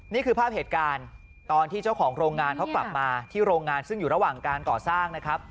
นี่คือภาพเหตุการณ์ตอนที่เจ้าของโรงงานเขากลับมาที่โรงงานซึ่งอยู่ระหว่างการก่อสร้างนะครับ